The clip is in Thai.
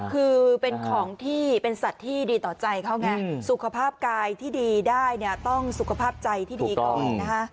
คือเป็นของที่เป็นสัตว์ที่ดีต่อใจเขาไงสุขภาพกายที่ดีได้เนี่ยต้องสุขภาพใจที่ดีก่อนนะคะ